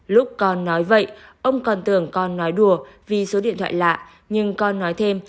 lúc con nói vậy ông còn tưởng con nói đùa vì số điện thoại lạ nhưng con nói thêm